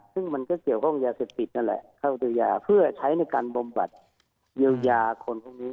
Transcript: ซึ่งมันก็เกี่ยวข้องยาเสพติดนั่นแหละเข้าตัวยาเพื่อใช้ในการบำบัดเยียวยาคนพวกนี้